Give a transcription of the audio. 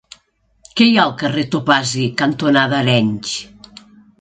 Què hi ha al carrer Topazi cantonada Arenys?